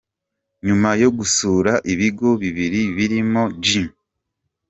Nyuma yo gusura ibigo bibiri birimo G.